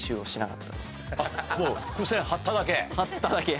張っただけ。